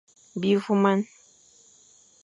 Bi voumane.